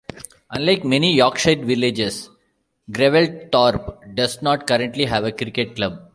Unlike many Yorkshire villages Grewelthorpe does not currently have a cricket club.